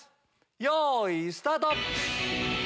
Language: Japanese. よいスタート！